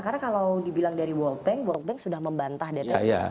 karena kalau dibilang dari world bank world bank sudah membantah data